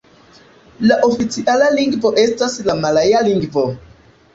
La oficiala lingvo estas la malaja lingvo.